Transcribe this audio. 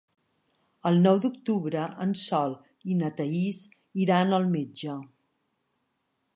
El nou d'octubre en Sol i na Thaís iran al metge.